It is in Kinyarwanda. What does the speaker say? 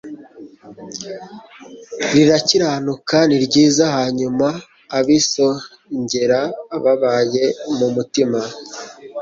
rirakiranuka ni ryiza Hanyuma abisongerababaye mu mutima